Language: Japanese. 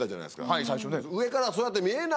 はい最初ね。